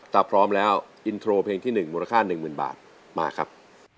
ถ้าพร้อมแล้วอินโทรเพลงที่๑มูลค่า๑๐๐๐บาทมาครับ